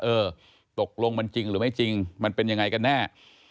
เออตกลงมันจริงหรือไม่จริงมันเป็นยังไงกันแน่